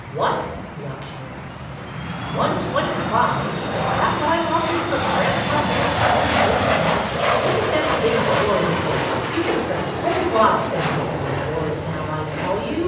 '' What ! the auctioneer exclaimed. One twenty five! Is that wat I 'm offered for Granpa Van Steerfs old desk? Look at them big drawers agen. You could put a hull lot o' things in them drawers, now I tell you.